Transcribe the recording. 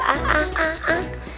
bocah ngapasih ya